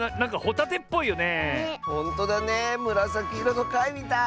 むらさきいろのかいみたい！